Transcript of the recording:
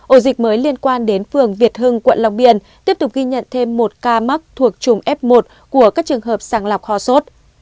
ổ dịch mới liên quan đến phường việt hưng quận long biên tiếp tục ghi nhận thêm một ca mắc thuộc trùng f một của các trường hợp sàng lọc ho sốt